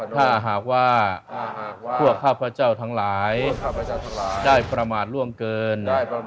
ถ้าหากว่าพวกข้าพเจ้าทั้งหลายได้ประมาทร่วงเกิน